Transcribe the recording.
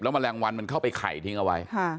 แมลงวันมันเข้าไปไข่ทิ้งเอาไว้